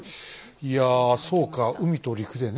いやそうか海と陸でね。